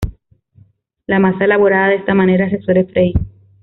La masa elaborada de esta manera se suele freír.